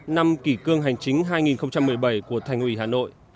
năm kỷ cương hành chính hai nghìn một mươi bảy của thành ủy hà nội